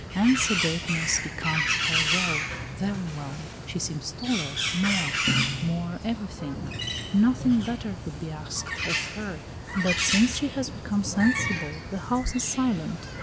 And sedateness becomes her well, very well. She seems taller, more more everything; nothing better could be asked of her; but since she has become sensible the house is silent.